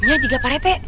ya juga pak retek